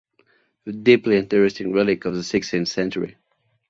A deeply interesting relic of the sixteenth century.